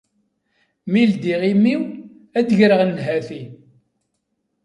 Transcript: Mi ldiɣ imi-w, ad d-greɣ nnhati.